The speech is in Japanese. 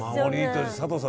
佐藤さん